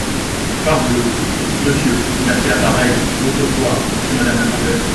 Parbleu ! monsieur, il a fait la pareille, l’autre soir, chez madame la comtesse.